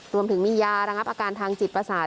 รวมถึงมียาระงับอาการทางจิตประสาท